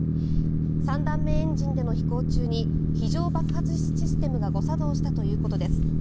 ３段目エンジンでの飛行中に非常爆発システムが誤作動したということです。